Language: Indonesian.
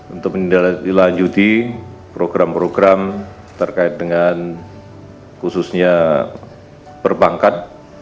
untuk menindaklanjuti program program terkait dengan khususnya perbankan